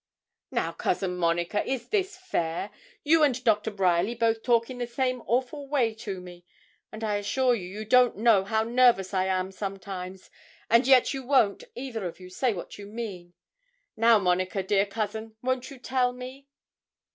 'Now, Cousin Monica, is this fair? You and Doctor Bryerly both talk in the same awful way to me; and I assure you, you don't know how nervous I am sometimes, and yet you won't, either of you, say what you mean. Now, Monica, dear cousin, won't you tell me?'